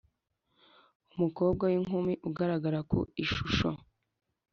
Umukobwa w inkumi ugaragara ku ishusho